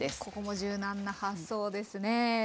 ここも柔軟な発想ですねえ。